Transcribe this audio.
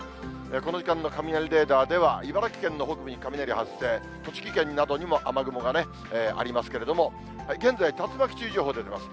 この時間の雷レーダーでは、茨城県の北部に雷発生、栃木県などにも雨雲がありますけれども、現在、竜巻注意情報出てます。